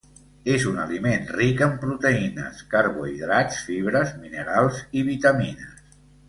És un aliment ric en proteïnes, carbohidrats, fibres, minerals i vitamines.